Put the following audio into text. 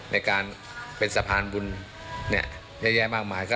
ในการเป็นสะพานบุญเยอะแยะมากมาย